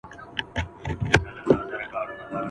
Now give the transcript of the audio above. درته منصور سمه پردی له خپله ځانه سمه !.